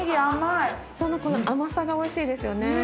この甘さがおいしいですよね。